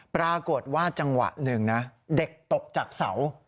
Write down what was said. ปรากฏว่าจังหวะหนึ่งนะเด็กตกจากเสา